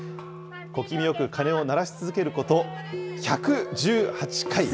小気味よく鐘を鳴らし続けること１１８回。